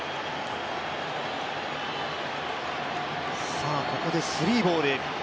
さあ、ここでスリーボール。